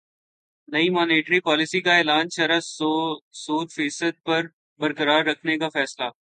نئی monetary policy کا اعلان شرح سود فیصد پر برقرار رکھنے کا فیصلہ